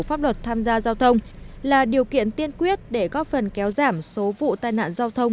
pháp luật tham gia giao thông là điều kiện tiên quyết để góp phần kéo giảm số vụ tai nạn giao thông